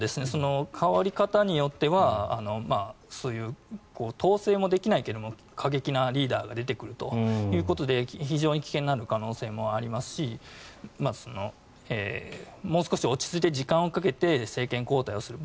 代わり方によってはそういう統制もできないけれども過激なリーダーが出てくるということで非常に危険になる可能性もありますしもう少し落ち着いて時間をかけて政権交代をする。